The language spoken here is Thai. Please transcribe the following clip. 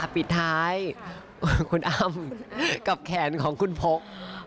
ปิดท้ายคุณอ้ำกับแขนของคุณพก